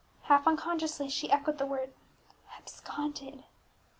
Half unconsciously, she echoed the word "Absconded!"